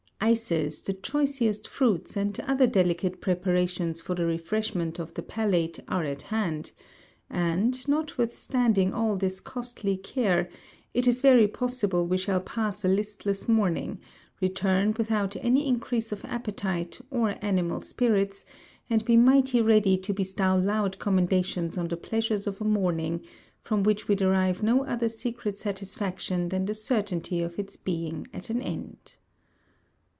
Ices, the choicest fruits, and other delicate preparations for the refreshment of the palate are at hand; and, notwithstanding all this costly care, it is very possible we shall pass a listless morning, return without any increase of appetite, or animal spirits, and be mighty ready to bestow loud commendations on the pleasures of a morning, from which we derive no other secret satisfaction than the certainty of its being at an end.